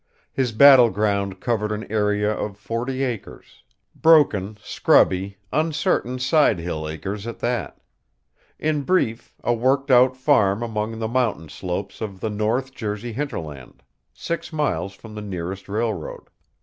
His battleground covered an area of forty acres broken, scrubby, uncertain side hill acres, at that. In brief, a worked out farm among the mountain slopes of the North Jersey hinterland; six miles from the nearest railroad.